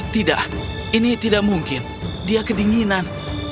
tidak ini tidak mungkin dia kedinginan